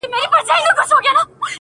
• که معنا د عقل دا جهان سوزي وي..